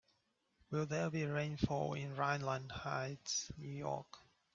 Will there be rainfall in Ryland Heights New York?